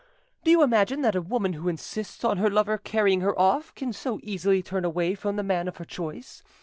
Do you imagine that a woman who insists on her lover carrying her off can so easily turn away from the man of her choice?